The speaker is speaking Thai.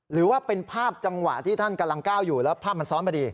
หรือว่าเป็นภาพจังหวะที่ท่านกำลังก้าวอยู่แล้วภาพมันซ้อนพอดี